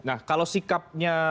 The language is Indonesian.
nah kalau sikapnya